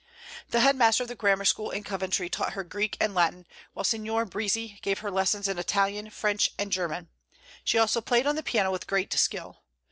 The head master of the grammar school in Coventry taught her Greek and Latin, while Signor Brizzi gave her lessons in Italian, French, and German; she also played on the piano with great skill.